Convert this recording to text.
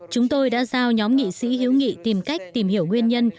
chúng tôi đã giao nhóm nghị sĩ hữu nghị tìm cách tìm hiểu nguyên nhân